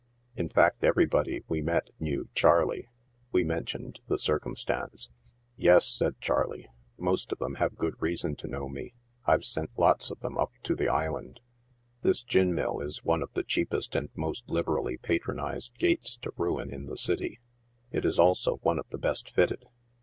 In fact everybody we met knew " Charley." We mentioned the cir cumstance. " Yes," said Charley, "most of them have good reason to know me. I've sent lots of them up to the Island I" Ibis gin mill is one of the cheapest and most liberally patronized gates to rain in the city. It is also one of the best fitted.